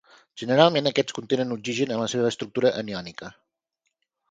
Generalment aquests contenen oxigen en la seva estructura aniònica.